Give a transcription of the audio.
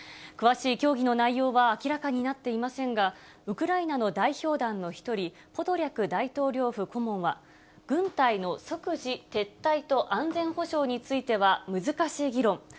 詳しい協議の内容は明らかになっていませんが、ウクライナの代表団の１人、ポドリャク大統領府顧問は、軍隊の即時撤退と安全保障については難しい議論。